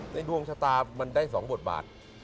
ในดวงชะตามันได้สองบทบาท